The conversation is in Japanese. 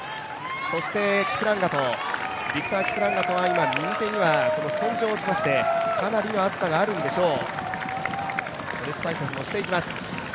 そして、キプランガト、ビクター・キプランガトは右手にスポンジを持ちましてかなりの暑さがあるんでしょう。